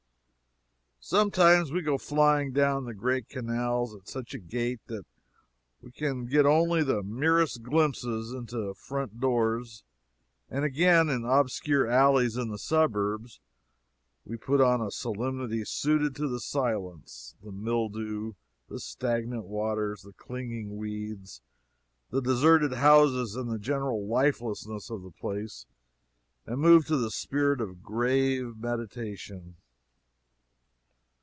Sometimes we go flying down the great canals at such a gait that we can get only the merest glimpses into front doors, and again, in obscure alleys in the suburbs, we put on a solemnity suited to the silence, the mildew, the stagnant waters, the clinging weeds, the deserted houses and the general lifelessness of the place, and move to the spirit of grave meditation.